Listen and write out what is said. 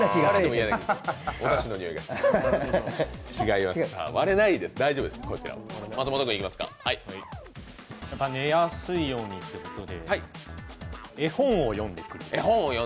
寝やすいようにということで、絵本を読んでくれる。